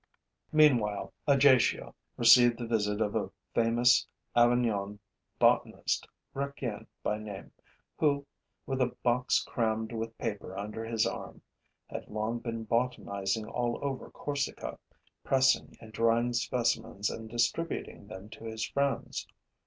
Meanwhile, Ajaccio received the visit of a famous Avignon botanist, Requien by name, who, with a box crammed with paper under his arm, had long been botanizing all over Corsica, pressing and drying specimens and distributing them to his friends.